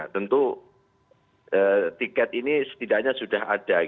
tentu tiket ini setidaknya sudah ada